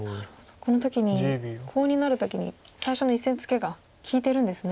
この時にコウになる時に最初の１線ツケが利いてるんですね。